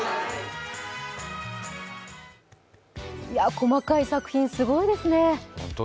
細かい作品、すごいですね。